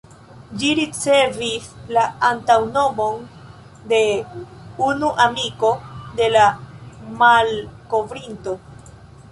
Ĝi ricevis la antaŭnomon de unu amiko de la malkovrinto.